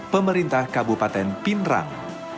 pemerintah kabupaten pinrang